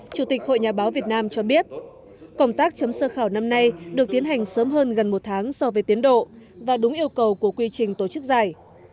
chủ tịch hội nhà báo việt nam cho biết công tác chấm sơ khảo năm nay được tiến hành sớm hơn gần một tháng so với tiến độ và đúng yêu cầu của quy trình tổ chức giải